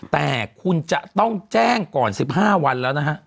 แต่คุณจะต้องแจ้งก่อน๑๕วันแล้วนะฮะ